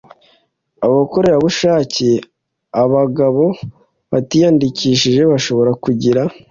abakorerabushake abagabo batiyandikishije bashobora kugira